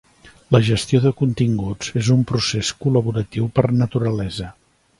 La gestió de continguts és un procés col·laboratiu per naturalesa.